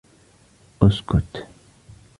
اسكت!